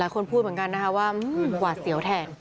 กว่าเสียวแท้ง